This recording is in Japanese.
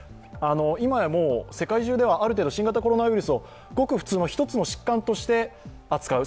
今やもう世界中ではある程度新型コロナウイルスをごく普通の１つの疾患として扱う。